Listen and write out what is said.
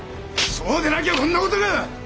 そうでなきゃこんな事が！